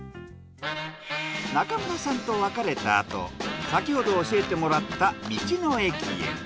中村さんと別れたあと先ほど教えてもらった道の駅へ。